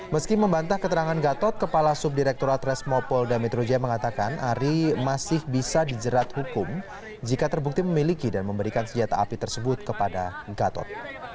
meski membantah keterangan gatot kepala subdirektorat resmo polda metro jaya mengatakan ari masih bisa dijerat hukum jika terbukti memiliki dan memberikan senjata api tersebut kepada gatot